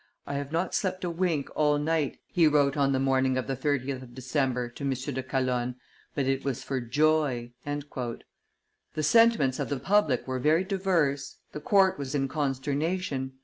"I have not slept a wink all night," he wrote on the morning of the 30th of December to M. de Calonne, "but it was for joy." The sentiments of the public were very diverse: the court was in consternation.